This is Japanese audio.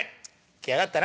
「来やがったな